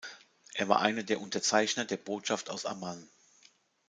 Er war einer der Unterzeichner der Botschaft aus Amman.